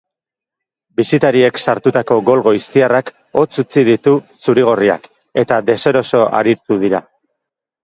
Bisitariek sartutako gol goiztiarrak hotz utzi ditu zuri-gorriak, eta deseroso aritu dira.